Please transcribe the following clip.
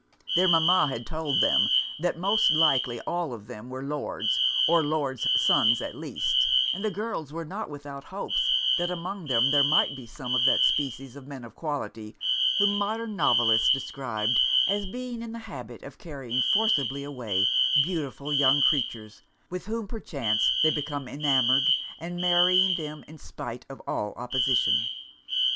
Their mama had told them that most likely all of them were Lords, or Lords sons at least; and the girls were not without hopes, that among them there might be some of that species of men of quality, whom modern novelists describe as being in the habit of carrying forcibly away, beautiful young creatures, with whom perchance they become enamoured, and marrying them in despite of all opposition.